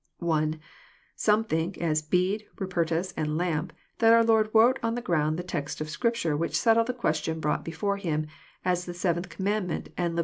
(1) Some think, as Bede, Rupertus, and Lampe, that our Lord wrote on the ground the texts of Scripture which settled the question brought before Him, as the seventh commandment, and Lev.